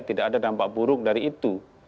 tidak ada dampak buruk dari itu